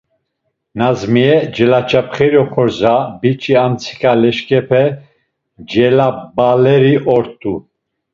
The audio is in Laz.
Nazmiye celaç̌apxeri xordza, biç̌i amtsiǩa leşǩepe celabaleri ort̆u.